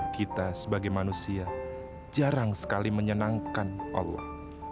kita sebagai manusia jarang sekali menyenangkan allah